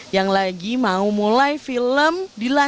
yang lagi mau mulai film dilan seribu sembilan ratus sembilan puluh satu